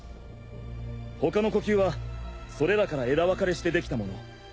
他の呼吸はそれらから枝分かれしてできたもの。